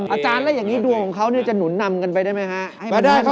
อาจารย์เรายังมีดวงของเขาเนี่ยจะหนุนนำกันไปได้ไหมฮะ